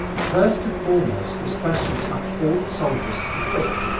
First and foremost this question touched all the soldiers to the quick.